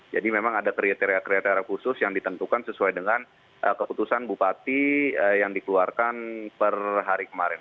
jadi memang ada kriteria kriteria khusus yang ditentukan sesuai dengan keputusan bupati yang dikeluarkan per hari kemarin